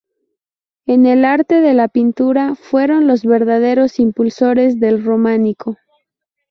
En el arte de la pintura fueron los verdaderos impulsores del románico.